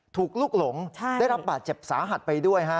ถูกลูกหลงได้รับบาดเจ็บสาหัสไปด้วยฮะ